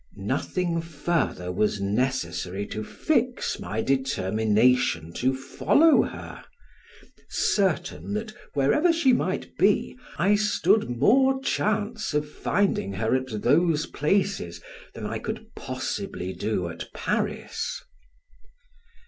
Nothing further was necessary to fix my determination to follow her, certain that wherever she might be, I stood more chance of finding her at those places than I could possibly do at Paris.